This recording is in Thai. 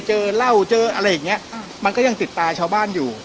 เจอเหล้าเจออะไรอย่างเงี้ยมันก็ยังติดตาชาวบ้านอยู่